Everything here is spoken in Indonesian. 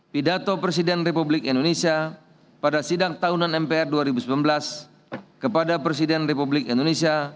pidato presiden republik indonesia pada sidang tahunan mpr dua ribu sembilan belas kepada presiden republik indonesia